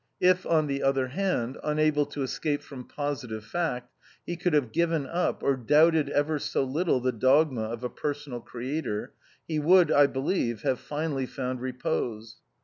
If, on the other hand, unable to escape from positive fact, he could have given up, or doubted ever so little the dogma of a Personal Creator, he would, I believe, have finally found repose.